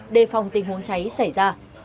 đề phòng tình huống cháy xảy ra